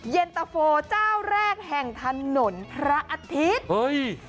เย็นตะโฟเจ้าแรกแห่งถนนพระอาทิตย์เฮ้ย